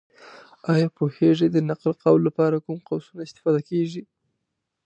ایا پوهېږې! د نقل قول لپاره کوم قوسونه استفاده کېږي؟